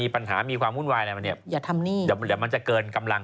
เพราะฉะนั้นมันจะลำบากตอน